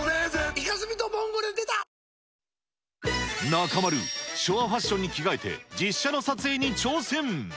中丸、昭和ファッションに着替えて、実写の撮影に挑戦。